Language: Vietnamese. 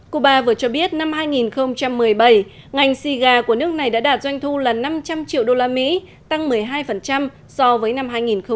cuba vừa cho biết năm hai nghìn một mươi bảy ngành xì gà của nước này đã đạt doanh thu là năm trăm linh triệu usd tăng một mươi hai so với năm hai nghìn một mươi bảy